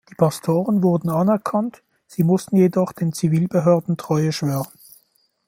Die Pastoren wurden anerkannt, sie mussten jedoch den Zivilbehörden Treue schwören.